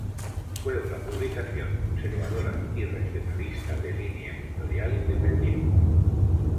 Fue una publicación conservadora y regionalista, de línea editorial independiente.